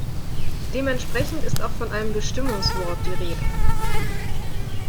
Dementsprechend ist auch von einem Bestimmungswort die Rede.